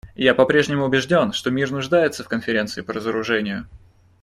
Я по-прежнему убежден, что мир нуждается в Конференции по разоружению.